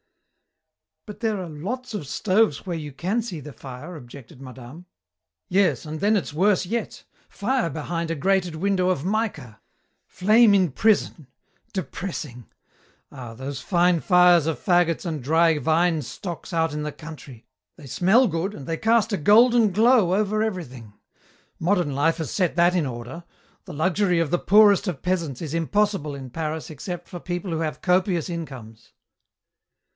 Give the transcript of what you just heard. "But there are lots of stoves where you can see the fire," objected madame. "Yes, and then it's worse yet. Fire behind a grated window of mica. Flame in prison. Depressing! Ah, those fine fires of faggots and dry vine stocks out in the country. They smell good and they cast a golden glow over everything. Modern life has set that in order. The luxury of the poorest of peasants is impossible in Paris except for people who have copious incomes."